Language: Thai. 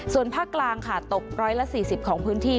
ส่วนภาคกลางค่ะตก๑๔๐ของพื้นที่